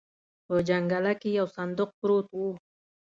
په جنګله کې يو صندوق پروت و.